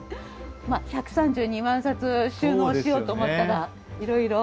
まあ１３２万冊収納しようと思ったらいろいろ。